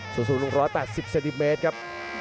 สูง๑๘๐เซนติเมตรครับ